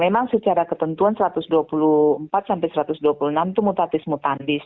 memang secara ketentuan satu ratus dua puluh empat sampai satu ratus dua puluh enam itu mutatis mutandis